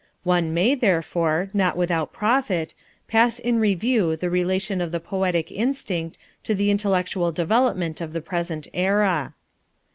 One may, therefore, not without profit, pass in review the relation of the poetic instinct to the intellectual development of the present era.